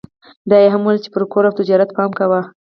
دا يې هم وويل چې پر کور او تجارت پام کوه.